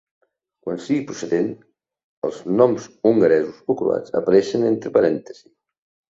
Quan sigui procedent, els noms hongaresos o croats apareixen entre parèntesi.